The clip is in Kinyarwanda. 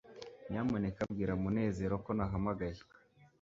nyamuneka bwira munezero ko nahamagaye